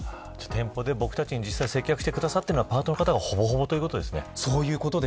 店舗で僕たちに実際に接客してくださってる方がパートの方がほぼほぼということですね。